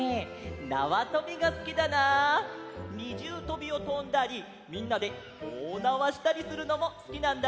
なわとびがすきだな！にじゅうとびをとんだりみんなでおおなわしたりするのもすきなんだ！